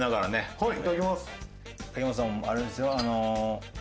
はい。